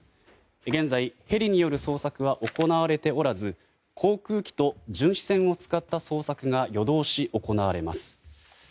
現在、ヘリによる捜索は行われておらず航空機と巡視船を使った捜索が夜通し行われます。